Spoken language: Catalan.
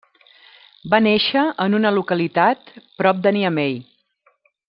Va néixer en una localitat prop de Niamey.